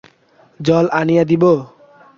জল আনিয়া দিব?